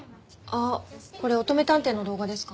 あっこれ乙女探偵の動画ですか？